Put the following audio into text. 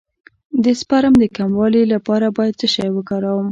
د سپرم د کموالي لپاره باید څه شی وکاروم؟